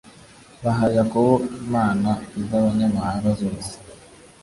Baha Yakobo imana z abanyamahanga zose